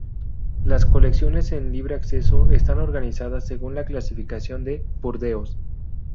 Las colecciones en libre acceso están organizadas según la clasificación de Burdeos.